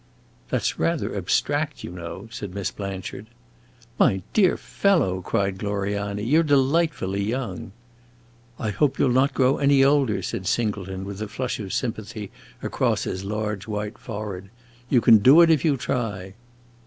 "That 's rather abstract, you know," said Miss Blanchard. "My dear fellow," cried Gloriani, "you 're delightfully young." "I hope you 'll not grow any older," said Singleton, with a flush of sympathy across his large white forehead. "You can do it if you try."